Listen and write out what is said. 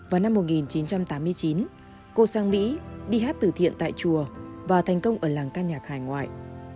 vào năm một nghìn chín trăm tám mươi chín cô sang mỹ đi hát từ thiện tại chùa và thành công ở làng can nhạc hải ngoại